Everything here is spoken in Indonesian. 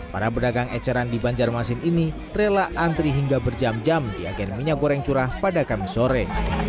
para pedagang eceran di banjarmasin ini rela antri hingga berjam jam di agen minyak goreng curah pada kamis sore